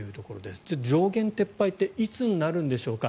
じゃあ上限撤廃っていつになるんでしょうか。